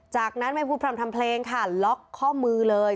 จากนั้นไม่พูดพร่ำทำเพลงค่ะล็อกข้อมือเลย